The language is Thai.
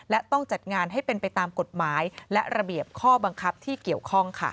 และต้องจัดงานให้เป็นไปตามกฎหมายและระเบียบข้อบังคับที่เกี่ยวข้อง